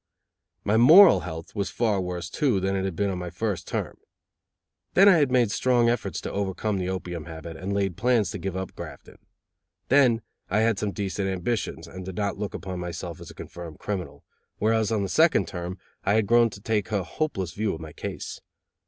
My moral health was far worse, too, than it had been on my first term. Then I had made strong efforts to overcome the opium habit, and laid plans to give up grafting. Then I had some decent ambitions, and did not look upon myself as a confirmed criminal; whereas on the second term, I had grown to take a hopeless view of my case.